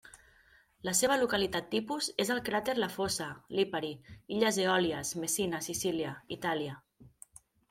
La seva localitat tipus és al cràter La Fossa, Lipari, Illes Eòlies, Messina, Sicília, Itàlia.